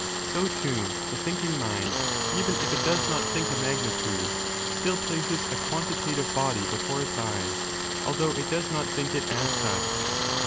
So, too, the thinlcLng mind, even if it does not think a magnitude, still places a quantitative body before its eyes, although it does not think it as such.